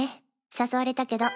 誘われたけど。